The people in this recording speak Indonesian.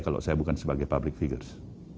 kalau saya bukan sebagai public figures